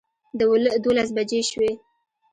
دولس بجې شوې.